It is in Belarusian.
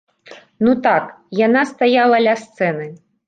Ну так, яна стаяла ля сцэны.